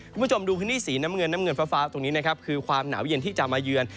คุณผู้ชมดูพื้นที่สีน้ำเงินน้ำเงินฟ้าตรงนี้นะครับคือความหนาวเย็นที่จะมาเยือน